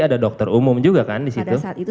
ada dokter umum juga kan di situ pada saat itu